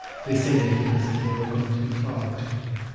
They say they feel as if they were going to be flogged."